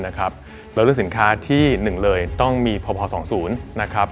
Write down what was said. เราเลือกสินค้าที่หนึ่งเลยต้องมีพอสองศูนย์